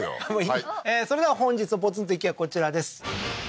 はいそれでは本日のポツンと一軒家こちらです